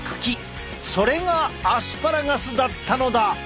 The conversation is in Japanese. それがアスパラガスだったのだ。